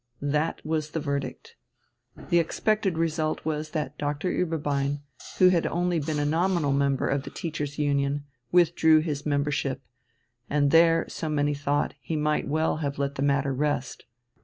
That was the verdict. The expected result was that Doctor Ueberbein, who had only been a nominal member of the "Teachers' Union," withdrew his membership and there, so many thought, he might well have let the matter rest.